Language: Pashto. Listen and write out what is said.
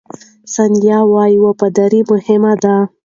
ثانیه وايي، وفاداري مهمه ده.